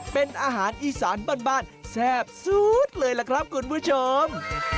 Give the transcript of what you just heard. เป็นอาหารอีสานบ้านแซ่บสุดเลยล่ะครับคุณผู้ชม